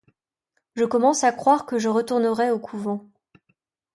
Je commence à croire que je retournerai au couvent.